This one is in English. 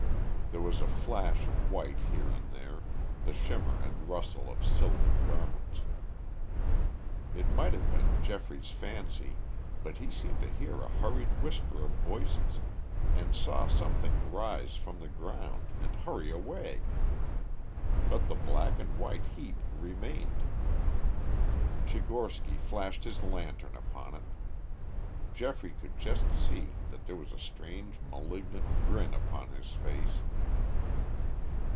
There was a flash of white here and there, the shimmer and rustle of silken garments. It might have been Geoffrey's fancy, but he seemed to hear a hurried whisper of voices, and saw something rise from the ground and hurry away. But the black and white heap remained. Tchigorsky flashed his lantern upon it. Geoffrey could just see that there was a strange malignant grin upon his face.